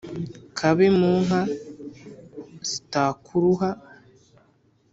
Kabe mu nka zitakuruha